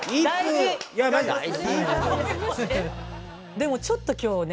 でもちょっと今日ね